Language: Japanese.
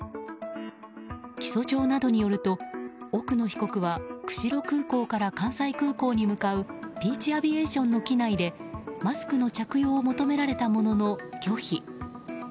起訴状などによると奥野被告は釧路空港から関西空港に向かうピーチ・アビエーションの機内でマスクの着用を求められたものの拒否。